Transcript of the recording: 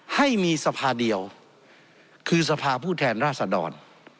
ให้มีสภาเดียวคือสภาผู้แทนราษดร